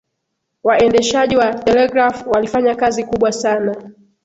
waendeshaji wa telegraph walifanya kazi kubwa sana